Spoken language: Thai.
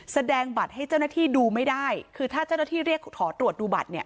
แสดงบัตรให้เจ้าหน้าที่ดูไม่ได้คือถ้าเจ้าหน้าที่เรียกขอตรวจดูบัตรเนี่ย